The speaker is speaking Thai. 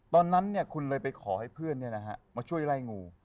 ตอนนั้นคุณเลยไปขอให้เพื่อนมาช่วยไล่งู